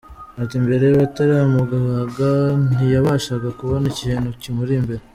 Ati “ Mbere bataramubaga, ntiyabashaga kubona ikintu kimuri imbere.